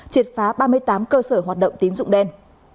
triệt phá ba mươi tám cơ sở hoạt động tín dụng đen